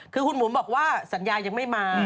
คือคุณบุ๋มบอกว่าสัญญายังไม่มา